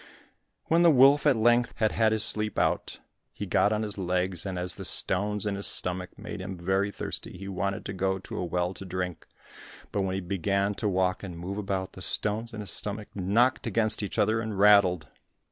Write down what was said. When the wolf at length had had his sleep out, he got on his legs, and as the stones in his stomach made him very thirsty, he wanted to go to a well to drink. But when he began to walk and move about, the stones in his stomach knocked against each other and rattled.